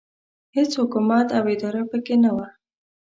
هېڅ حکومت او اداره پکې نه وه.